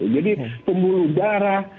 jadi pembuluh darah